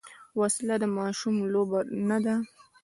وسله د ماشوم لوبه نه ده